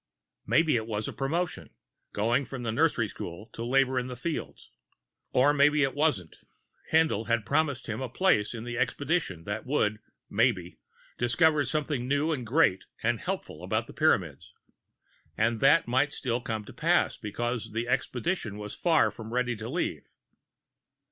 Maybe it was a promotion, going from the nursery school to labor in the fields. Or maybe it wasn't. Haendl had promised him a place in the expedition that would maybe discover something new and great and helpful about the Pyramids. And that might still come to pass, because the expedition was far from ready to leave.